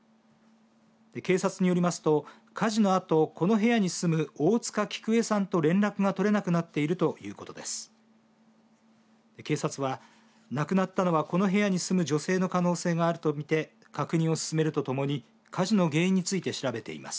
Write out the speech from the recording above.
警察によりますと火事のあとこの部屋に住む大塚菊江さんと連絡が取れなくなっているということです。